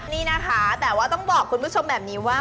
นี่นะคะแต่ว่าต้องบอกคุณผู้ชมแบบนี้ว่า